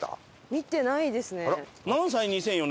見てないですね。